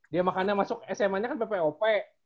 dia makannya masuk sma nya kan ppop